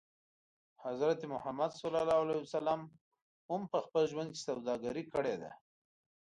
حضرت محمد ص هم په خپل ژوند کې سوداګري کړې ده.